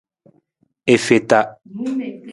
I feta.